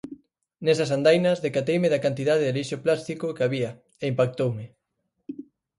Nesas andainas decateime da cantidade de lixo plástico que había e impactoume.